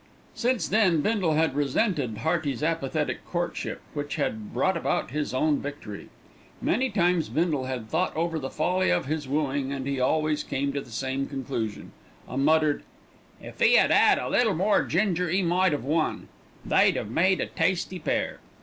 Since then Bindle had resented Hearty's apathetic courtship, which had brought about his own victory. Many times Bindle had thought over the folly of his wooing, and he always came to the same conclusion, a muttered: "If 'e 'ad 'ad a little more ginger 'e might 'ave won. They'd 'ave made a tasty pair."